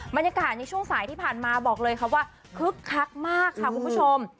บรรยากาศในช่วงสายที่ผ่านมาบอกเลยค่ะว่าคึกคักมากค่ะคุณผู้ชม